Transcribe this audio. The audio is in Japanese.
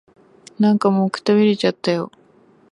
なんかもう、くたびれちゃったよ。